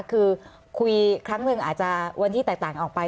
คือคุยครั้งหนึ่งอาจจะวันที่แตกต่างออกไป